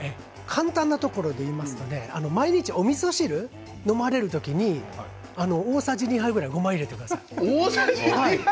簡単なところで言いますと毎日おみそ汁飲まれる時に大さじ２杯ぐらいごまを入れてください。